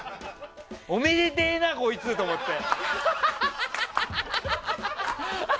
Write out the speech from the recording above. おめでてえな、こいつと思って。